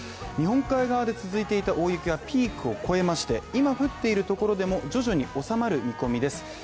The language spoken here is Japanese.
日本海側で続いていた大雪はピークを越えまして、今降っているところでも、徐々におさまる見込みです